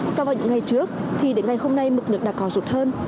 so với những ngày trước đến ngày hôm nay mực nước đã còn rút hơn